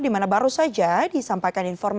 di mana baru saja disampaikan informasi